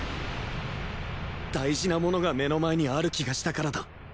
大事なものが目の前にある気がしたからだ